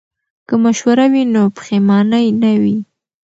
که مشوره وي نو پښیمانی نه وي.